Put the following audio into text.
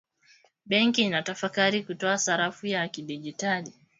Benki inatafakari kutoa sarafu ya kidigitali